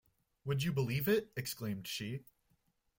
“Would you believe it!” exclaimed she.